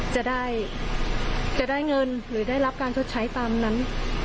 จะได้เงินหรือได้รับการชดใช้ตามนั้น